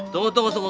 tunggu tunggu tunggu